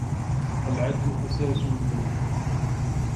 العدل أساس الْمُلْك